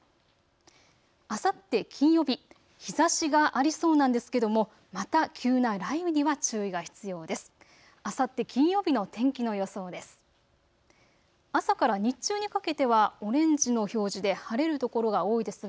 あさって金曜日、日ざしがありそうなんですけども、また急な雷雨には注意が必要です。